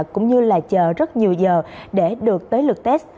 cũng như là chờ rất nhiều giờ để được tới lượt test